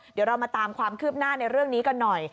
เดี๋ยวเรามาตามความคืบหน้าในเรื่องนี้กันหน่อย